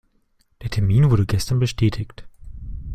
Der Termin wurde gestern bestätigt.